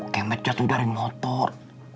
kemet jatuh dari motor